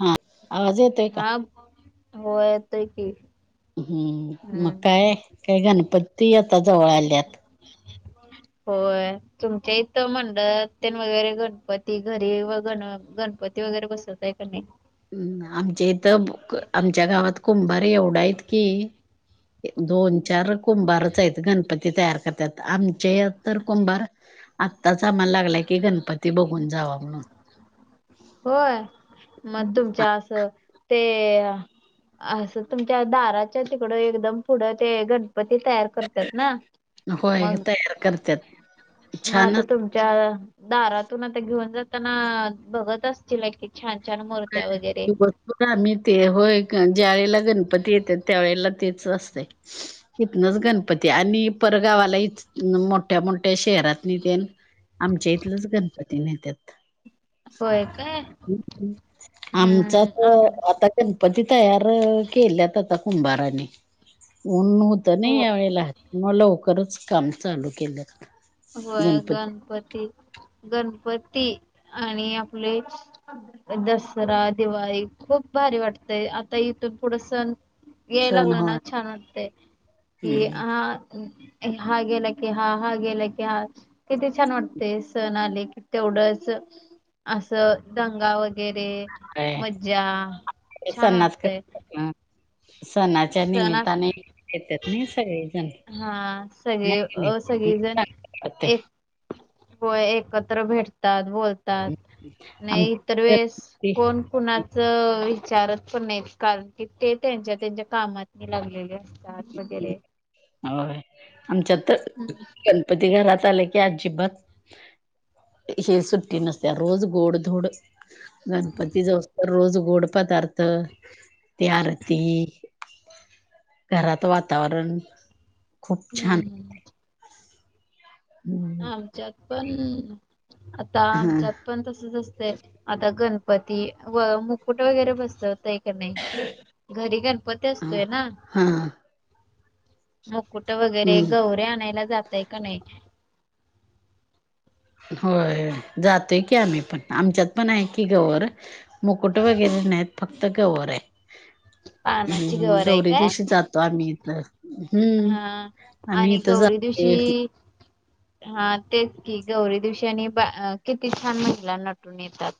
हा आवाज येतोय का? हा होय येतोय की. हम्म मग काय, काय गणपती आता जवळ आल्यात. होय. तुमच्या इथं मंडळात वगैरे गणपती घरी व गण गणपती वगैरे बसवताय कि नाही. हम् आमच्या इथं आमच्या गावात कुंभार एवढ हायत की दोन चार कुंभारच आहेत गणपती ते, तयार करतात आमचे तर कुंभार आत्ताच आम्हाला लागलाय की गणपती बघून जावा म्हणून होय मग तुमच्या असं ते असं तुमच्या दाराच्या तिकडं एकदम पुढं ते ग पती तयार करतात ना होय मग, तयार करत्यात म छान आता तुम दारातून आता घेऊन जाताना बघत सिमेंटची छान, छान मुर्त्या हां. वगैरे. की आम्ही, ते होय ज्या वेळेला गणपती येत्यात त्यावेेळेला तेच असतय इथनच गणपती आणि परगावाला इच मोठ्या मोठ्या शहरातनी तेन आमच्या इथलंच गणपती न्हेत्यात. होय काय! आमचा हम्म तर आम आता गणपती तयार केल्यात आता कुंभाराने त, नाही हो या वेळेला म लवकरच काम चालू केल्यात. होय, गणपती गणपतीत गणपती आणि आपले दसरा दिवाळी खूप भारी वाटतेय आता इथून पुढं सण याय सण लागलं होय. ना छान असतंय की हम्म. हा हा गेला की हा, हा गेला की हा किती छान वाटतय सण आले कि तेवढंच असं दंगा वगैरे होय मज्जा ते छान सणात वाटतय. कसं हां, सणाच्या सण अस- निमित्ताने येत्यात नी सगळेजण हा सगळी नाही अ नाही सगळीजण वाटते ए होय एकत्र भेटतात, बोल तात, आमच्या नाही इतर वेळेस गणपती कोण कुणाच विचारत पण नाहीत कारण की ते त्यांच्या- त्यांच्या कामातनी लागलेले असत्यात डान्स वगैरे. होय आमच्यात तर हम्म गणपती घरात आले की अजिबात हे सुट्टी नसतीया रोज गोड-धोड गणपती जाऊसतोर रोज गोड पदार्थ त्या आरती घरात वातावरण खूप हम्म छान हम् आमच्यात पण, आता हा आमच्यात पण तसच असत आता गणपती व मुकुट वगैरे बसत हो एक नाही घरी गणपती हा असतोय ना हा मुकुट वगैरे हम्म गवरे आणायला जातय का नाही होय जातोय की आम्ही पण आमच्यात पण आहे की गौवर मुकुट वगैरे नाहीत फक्त गवर आहे. पानाची हम्म मग गौर आहे गौरे काय दिवशी जातो आम्ही इ तर हम्म. हा आम्ही आणि इथं गौरी जो दिवशी हा तेच की गौरी दिवशी आणि बा किती छान महिला नटून येतात.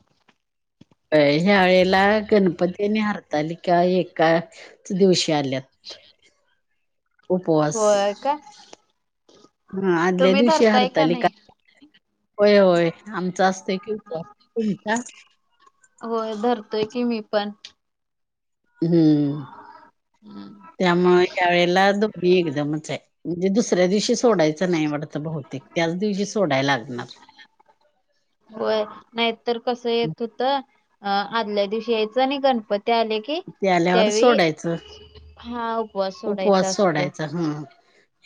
ह्या वेळेला गणपतीनी हरताली का एकाच दिवशी आल्यात. अशा उपवास हा आदल्या तुम्ही दिवशी धरताय का हरतालीका नाही? होय होय आमच असतय कि तुमचा हो धरतोय की मी पण. हम्म त्यामुळे या वेळेला दोन्ही एकदमच आहे. म्हणजे दुसऱ्या दिवशी सोडायचं नाही वाटत भौतेक त्याच दिवशी सोडायला लागणार. होय नाही तरर कसं येत होत अ आदल्या दिवशी यायचं आणि गणपती आले की कि ते आल्यावर त्यावेळी सोडायचं हा उपवास सोडायचा उपवास असतो. सोडायचा ह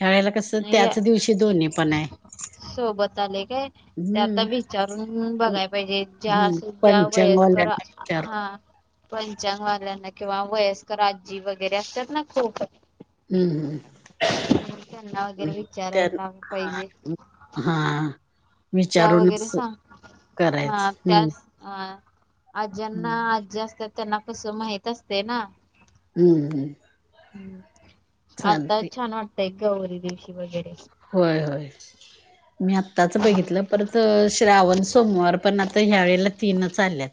ह्या वळेला कसं या त्याच दिवशी दोन्ही पण आहे. सोबत आले काय ते आता हम्म विचारून बघाय पाहिजे ज्या हम्म ज्या वयस्कर पंचांगवाल्यांना विचारून हा पंचांगवाल्यांना किंवा वयस्कर आजी वगैरे असतात ना खूप हम्म तर त्यांना वगैरे हम्म् त्या विचारायला हा पाहिजे हा त्या वगैरे विचारूनच करायच हम्म आ आज्यांना हम्म आजी असतात त्यांना कस माहित असते ना. हम्म हम हम्म आता छान वाटतय गौरी दिवशी वगैर होय होय मी आत्ताच हम्म बघितलं परत तर श्रावण सोमवार पण आता ह्या वेळेला तीनच आल्यात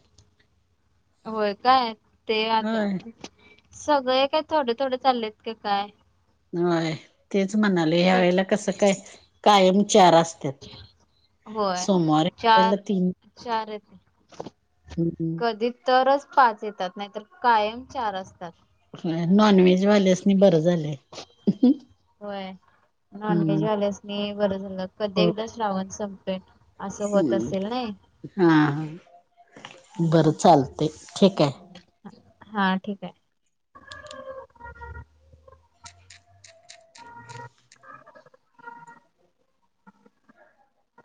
होय काय ते आता होय सगळे काय थोडे थोडे चाललेत की काय. हय तेच म्हणाले ह्या वेळेला कसं काय कायम चार असतात. होय सोमवार ला चार तीन चार येत कधी तरच पाच येतात नाहीतर कायम चार असतात. नॉन व्हेज वाल्यासनी बरं झालं हम्म. ते एक बरं झालं कधी एकदा श्रावण संपतोय. हम्म हा ह बरं हम्म चालते ठीक आहे. हा ठीक आहे